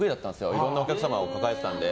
いろんなお客様を抱えていたので。